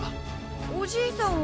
おじいさんは。